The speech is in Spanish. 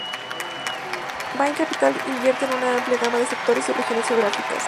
Bain Capital invierte en una amplia gama de sectores y regiones geográficas.